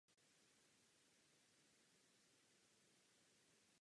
Pro toto představení vytvořil orchestrální aranžmá.